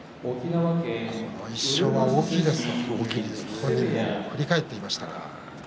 この１勝は大きいですということで本人も振り返っていました。